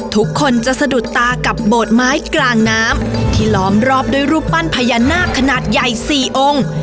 ทุกคนจะสะดุดตากับโบดไม้กลางน้ำที่ล้อมรอบด้วยรูปปั้นพญานาคขนาดใหญ่๔องค์